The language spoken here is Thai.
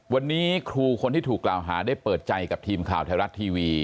วันนี้ครูคนที่ถูกกล่าวหาได้เปิดใจกับทีมข่าวไทยรัฐทีวี